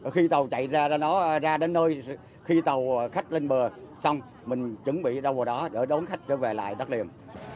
khi tàu chạy ra nó ra đến nơi khi tàu khách lên bờ xong mình chuẩn bị đâu vào đó để đón khách trở về lại đất liền